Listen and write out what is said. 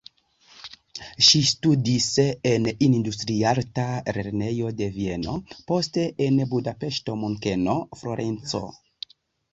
Ŝi studis en industriarta lernejo de Vieno, poste en Budapeŝto, Munkeno, Florenco.